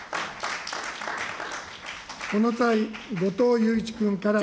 この際、後藤祐一君から。